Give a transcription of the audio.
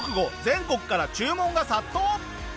全国から注文が殺到！